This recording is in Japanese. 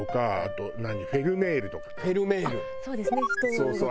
そうそう。